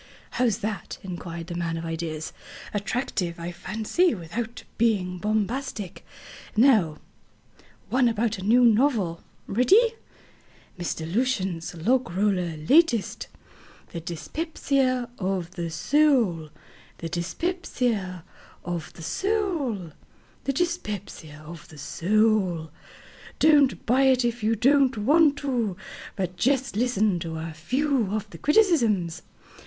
"How's that?" inquired the man of ideas. "Attractive, I fancy, without being bombastic. Now, one about a new novel. Ready?" MR. LUCIEN LOGROLLER'S LATEST The Dyspepsia of the Soul The Dyspepsia of the Soul The Dyspepsia of the Soul Don't buy it if you don't want to, but just listen to a few of the criticisms.